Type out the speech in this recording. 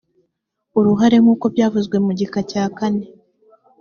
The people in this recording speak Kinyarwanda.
uruhare nkuko byavuzwe mu gika cya kane